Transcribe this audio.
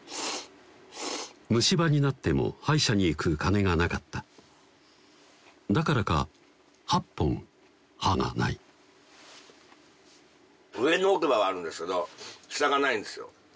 虫歯になっても歯医者に行く金がなかっただからか８本歯がない上の奥歯はあるんですけど下がないんですよ